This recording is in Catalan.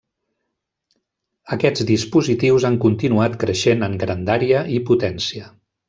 Aquests dispositius han continuat creixent en grandària i potència.